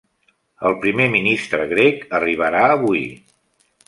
El primer ministre grec arribarà avui.